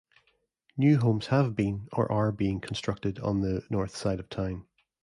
New homes have been or are being constructed on the north side of town.